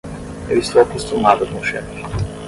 Eu estou acostumada com o chefe.